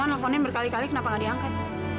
mama nelfonin berkali kali kenapa nggak diangkat